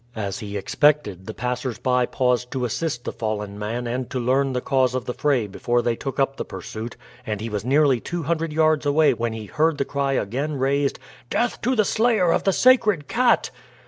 As he expected, the passers by paused to assist the fallen man and to learn the cause of the fray before they took up the pursuit, and he was nearly two hundred yards away when he heard the cry again raised, "Death to the slayer of the sacred cat!"